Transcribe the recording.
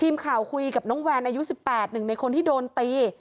ทีมข่าวคุยกับน้องแวนอายุ๑๘หนึ่งในคนที่โดนตี